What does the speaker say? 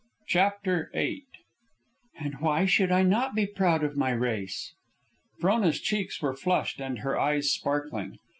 CHAPTER VIII "And why should I not be proud of my race?" Frona's cheeks were flushed and her eyes sparkling.